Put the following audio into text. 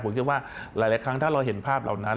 ผมเชื่อว่าหลายครั้งถ้าเราเห็นภาพเหล่านั้น